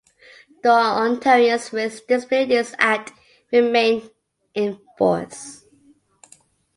The Ontarians with Disabilities Act remains in force.